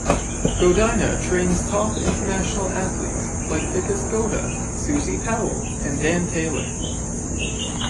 Godina trains top international athletes like Vikas Gowda, Suzy Powell and Dan Taylor.